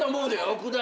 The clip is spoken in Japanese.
奥田